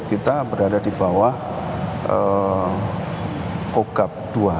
kita berada di bawah ogap dua